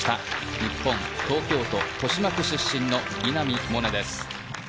日本、東京都豊島区出身の稲見萌寧です。